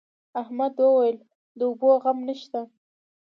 احمد وويل: د اوبو غم نشته.